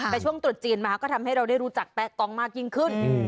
แต่ช่วงตรุษจีนมาก็ทำให้เราได้รู้จักแต๊ะกองมากยิ่งขึ้น